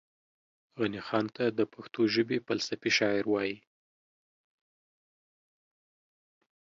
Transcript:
غني خان ته دا پښتو ژبې فلسفي شاعر وايي